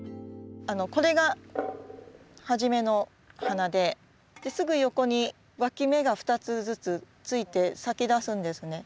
これが初めの花ですぐ横にわき芽が２つずつついて咲きだすんですね。